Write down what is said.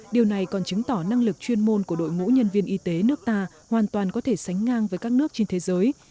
điều này còn chứng tỏ năng lực chuyên môn của đội ngũ nhân viên y tế nước ta hoàn toàn có thể sánh ngang với các nước trên thế giới